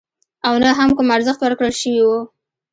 او نه هم کوم ارزښت ورکړل شوی وو.